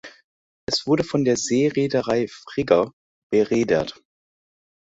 Es wurde von der "Seereederei Frigga" bereedert.